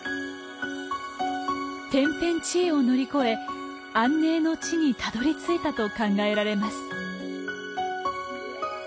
天変地異を乗り越え安寧の地にたどりついたと考えられます。